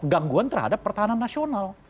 gangguan terhadap pertahanan nasional